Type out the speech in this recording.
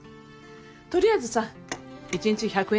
取りあえずさ一日１００円